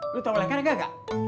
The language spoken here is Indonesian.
lu tau lekar gak